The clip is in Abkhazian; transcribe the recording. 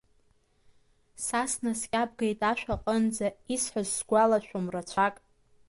Са снаскьабгеит ашә аҟынӡа, исҳәаз сгәалашәом рацәак.